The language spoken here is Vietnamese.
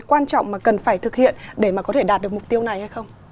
quan trọng mà cần phải thực hiện để mà có thể đạt được mục tiêu này hay không